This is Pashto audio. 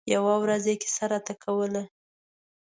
يوه ورځ يې کیسه راته کوله.